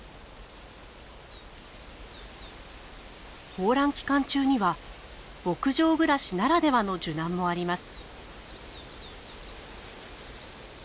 抱卵期間中には牧場暮らしならではの受難もあります。